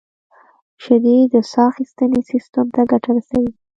• شیدې د ساه اخیستنې سیستم ته ګټه رسوي.